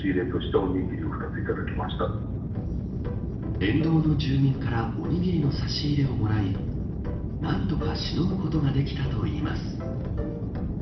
沿道の住民からおにぎりの差し入れをもらい何とかしのぐことができたといいます。